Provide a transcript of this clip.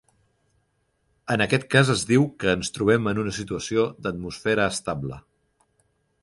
En aquest cas es diu que ens trobem en una situació d'atmosfera estable.